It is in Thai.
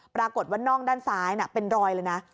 ปรากฏว่าน่องด้านซ้ายเป็นรอยเลยนะ